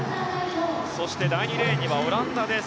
そして第２レーンにはオランダです。